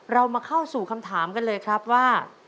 เรามาเข้าสู่คำถามกันเลยครับว่า